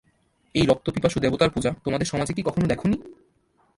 এই রক্তপিপাসু দেবতার পূজা তোমাদের সমাজে কি কখনো দেখ নি?